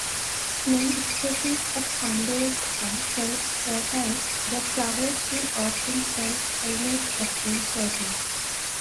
Many species of sundews are self-fertile; their flowers will often self-pollinate upon closing.